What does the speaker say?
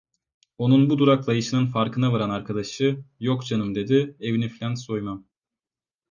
Onun bu duraklayışının farkına varan arkadaşı: "Yok canım" dedi, "evini filan soymam."